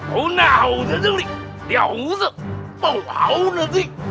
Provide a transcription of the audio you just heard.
kumau sejengli diahu sepung awu nezik